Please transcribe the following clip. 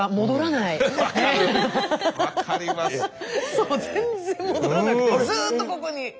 そう全然戻らなくてずっとここに。